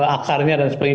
akarnya dan sebagainya